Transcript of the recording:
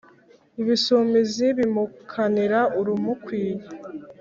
ibisumizi bimukanira urumukwiye.